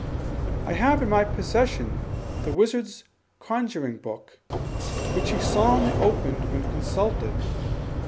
I have in my possession the wizard's "conjuring book," which he solemnly opened when consulted.